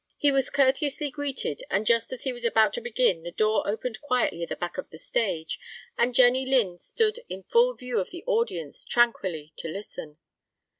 He was courteously greeted, and just as he was about to begin, the door opened quietly at the back of the stage, and Jenny Lind stood in full view of the audience tranquilly to listen.